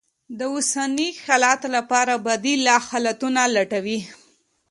د اوسني حالت لپاره بدي ل حالتونه لټوي.